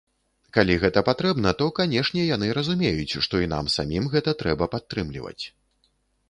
Калі гэта патрэбна, то, канешне, яны разумеюць, што і нам самім гэта трэба падтрымліваць.